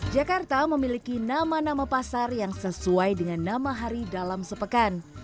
jakarta memiliki nama nama pasar yang sesuai dengan nama hari dalam sepekan